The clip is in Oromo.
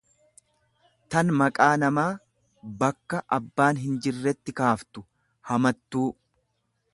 tan maqaa namaa bakka abbaan hinjirretti kaaftu, hamațtuu.